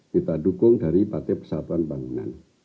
kita dukung dari partai persatuan bangunan